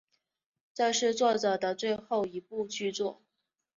这是作者的最后一部剧作。